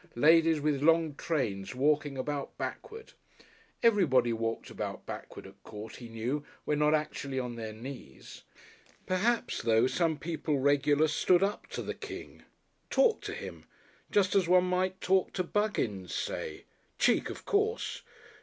ladies with long trains walking about backward. Everybody walked about backward at court, he knew, when not actually on their knees. Perhaps, though, some people regular stood up to the King! Talked to him, just as one might talk to Buggins, say. Cheek of course!